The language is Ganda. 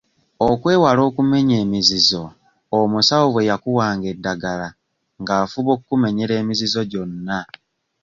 Okwewala okumenya emizizo omusawo bwe yakuwanga eddagala ng'afuba okkumenyera emizizo gyonna.